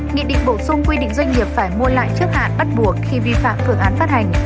nghị định bổ sung quy định doanh nghiệp phải mua lại trước hạn bắt buộc khi vi phạm phương án phát hành